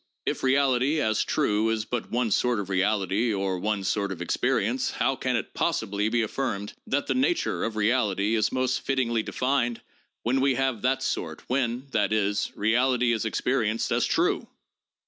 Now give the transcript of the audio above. "If reality as true is but one sort of reality or one sort of experience, how can it possibly be affirmed that the nature of reality is most fittingly defined, when we have that sort, when, that is, reality is experienced as true?"